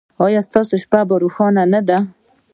ایا ستاسو شپه روښانه نه ده؟